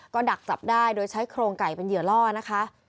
ก็ดักจับได้โดยใช้โครงไก่เป็นเหยื่อล่อนะคะ